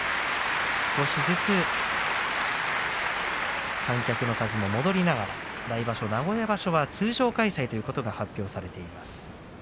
少しずつ観客の数も戻りながら来場所、名古屋場所は通常開催ということが発表されています。